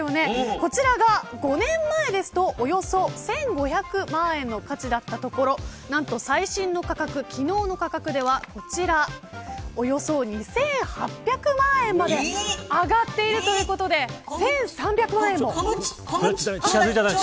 こちらが５年前ですとおよそ１５００万円の価値だったところ何と最新の価格、昨日の価格はこちら、およそ２８００万円まで上がっているということで１３００万円も。